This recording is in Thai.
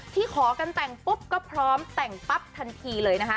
ขอกันแต่งปุ๊บก็พร้อมแต่งปั๊บทันทีเลยนะคะ